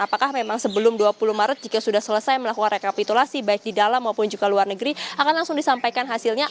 apakah memang sebelum dua puluh maret jika sudah selesai melakukan rekapitulasi baik di dalam maupun juga luar negeri akan langsung disampaikan hasilnya